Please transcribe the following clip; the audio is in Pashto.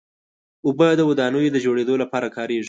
اوبه د ودانیو د جوړېدو لپاره کارېږي.